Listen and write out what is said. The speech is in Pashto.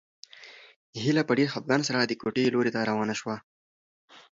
هیله په ډېر خپګان سره د کوټې لوري ته روانه شوه.